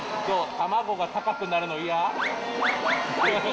卵が高くなるの嫌？